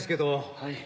はい。